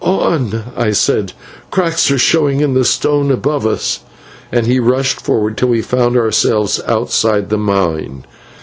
"Oh!" I said; "cracks are showing in the stone above us!" and he rushed forward till we found ourselves outside the mine.